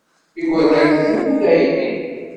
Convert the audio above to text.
Igerdan srin tayri.